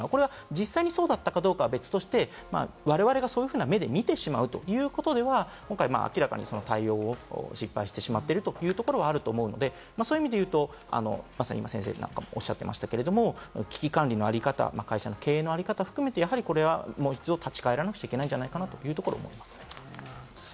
実際そうだったかは別として、我々がそういう目で見てしまうということに関しては、明らかに対応を失敗してしまっているということはあると思うので、そういう意味でいうと、まさに先生がおっしゃってましたけれども、危機管理のあり方、会社の経営の在り方を含めて、これはもう一度立ち返らなくちゃいけないのではないかと思います。